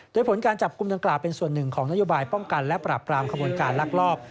โดยผลการจับกลุ่มดังกล่าวเป็นส่วนหนึ่งของนโยบายป้องกันและปราบปรามขบวนการลักลอบ